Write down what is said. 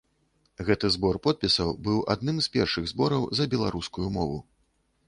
Гэты збор подпісаў быў адным з першых збораў за беларускую мову.